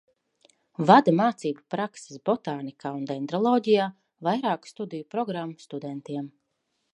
Vada mācību prakses botānikā un dendroloģijā vairāku studiju programmu studentiem.